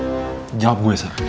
jangan lupa like share dan subscribe